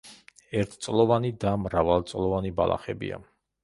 ერთწლოვანი და მრავალწლოვანი ბალახებია.